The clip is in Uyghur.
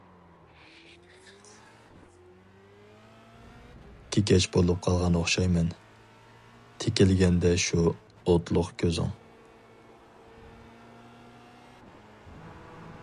كېكەچ بولۇپ قالغان ئوخشايمەن، تىكىلگەندە شۇ ئوتلۇق كۆزۈڭ.